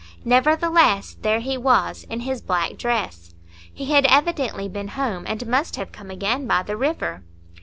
Nevertheless, there he was, in his black dress; he had evidently been home, and must have come again by the river.